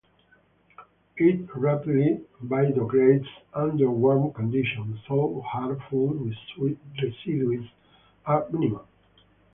It rapidly biodegrades under warm conditions, so harmful residues are minimal.